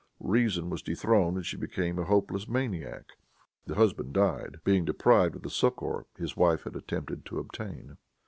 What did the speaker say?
Reason was dethroned, and she became a hopeless maniac. The husband died, being deprived of the succor his wife had attempted to obtain.